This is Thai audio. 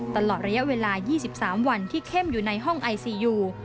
ตลอดระยะเวลา๒๓วันที่เข้มอยู่ในห้องไอซียู